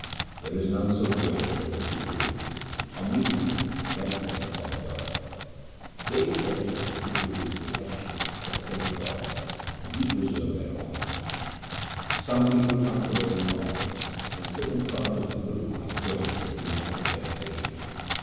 There is none so great as the true Guru ; on meeting him meditate upon God. They who entered the true Guru's protection obtained God, and He preserved their honour. Some people come for their own objects, and sit in front of the Guru like cranes in the act of meditation.